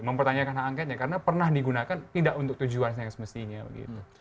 mempertanyakan hak angketnya karena pernah digunakan tidak untuk tujuan yang semestinya begitu